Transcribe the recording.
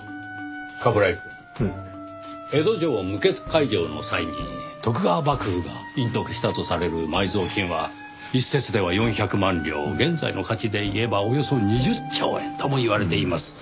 江戸城無血開城の際に徳川幕府が隠匿したとされる埋蔵金は一説では４００万両現在の価値でいえばおよそ２０兆円ともいわれています。